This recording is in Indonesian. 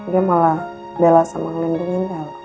dia malah bela sama ngelindungin el